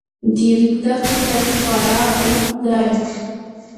د ریګ دښتو تاریخ خورا اوږد دی.